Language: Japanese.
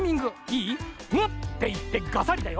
ムッていってガサリだよ。